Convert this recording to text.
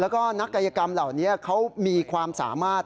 แล้วก็นักกายกรรมเหล่านี้เขามีความสามารถ